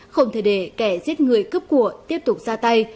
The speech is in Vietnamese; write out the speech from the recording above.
không thể để kẻ giết người cướp của tiếp tục ra tay